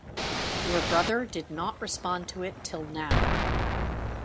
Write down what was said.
Your brother did not respond to it till now.